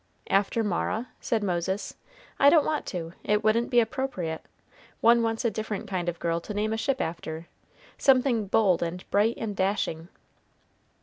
"After Mara?" said Moses. "I don't want to it wouldn't be appropriate one wants a different kind of girl to name a ship after something bold and bright and dashing!"